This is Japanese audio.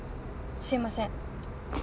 すいません。